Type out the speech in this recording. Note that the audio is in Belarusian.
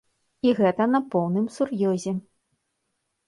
І гэта на поўным сур'ёзе.